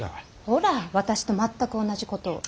ほら私と全く同じことを。